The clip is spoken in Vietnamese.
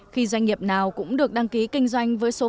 khi doanh nghiệp nào cũng có thể đăng ký kinh doanh